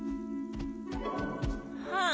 はあ。